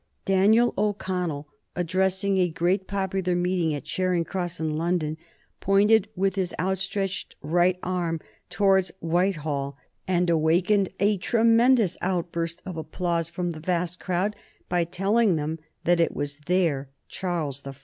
Daniel O'Connell, addressing a great popular meeting at Charing Cross in London, pointed with his outstretched right arm towards Whitehall, and awakened a tremendous outburst of applause from the vast crowd by telling them that it was there Charles I.